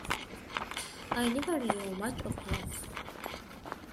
I never knew much of him.